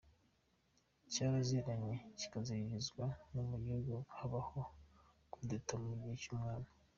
Cyaraziraga kikaziririzwa ko mu gihugu habaho kudeta mu gihe cy’ubwami.